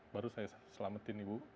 baru saya selamatin ibu